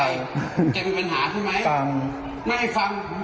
จะมีปัญหาใช่ไหมฟังไม่ฟัง